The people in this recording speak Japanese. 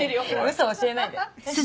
嘘教えないで。